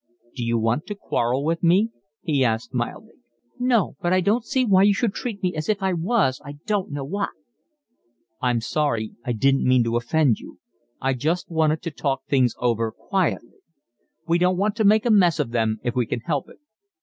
"D'you want to quarrel with me?" he asked mildly. "No, but I don't see why you should treat me as if I was I don't know what." "I'm sorry, I didn't mean to offend you. I just wanted to talk things over quietly. We don't want to make a mess of them if we can help it.